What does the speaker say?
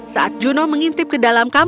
saat juno mengintip ke dalam kamar